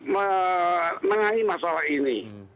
menangani masalah ini